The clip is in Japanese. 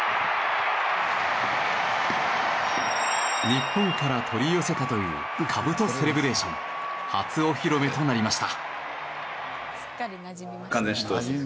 日本から取り寄せたという兜セレブレーション初お披露目となりました。